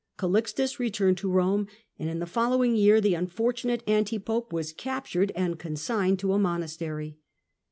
Calixtus returned to Eome, and in the following year the unfortunate anti pope was captured and consigned to a monastery.